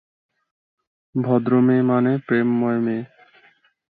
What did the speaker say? ভদ্র মেয়ে মানে প্রেমময় মেয়ে।